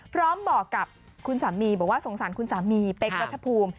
บอกกับคุณสามีบอกว่าสงสารคุณสามีเป๊กรัฐภูมิ